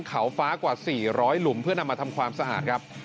เขาฟ้ากว่า๔๐๐หลุมเพื่อนำมาทำความสะอาดครับ